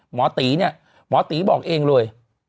หมอตีเนี่ยหมอตีบอกเองเลย